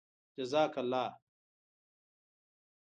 جزاك اللهُ